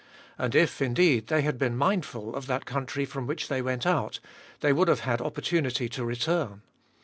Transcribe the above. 15. And if indeed they had been mindful of that country from which they went out, they would have had opportunity to return.